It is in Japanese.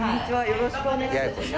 よろしくお願いします。